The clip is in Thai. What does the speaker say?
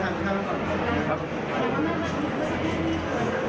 ยังไม่มีฝ่ายกล้อง